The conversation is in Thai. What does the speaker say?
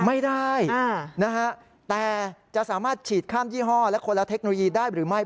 ไม่ได้นะฮะแต่จะสามารถฉีดข้ามยี่ห้อและคนละเทคโนโลยีได้หรือไม่